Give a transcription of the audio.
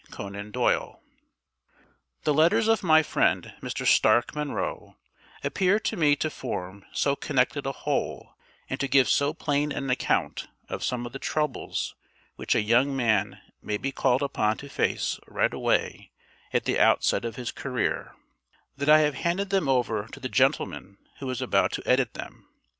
Conan Doyle The letters of my friend Mr. Stark Munro appear to me to form so connected a whole, and to give so plain an account of some of the troubles which a young man may be called upon to face right away at the outset of his career, that I have handed them over to the gentleman who is about to edit them.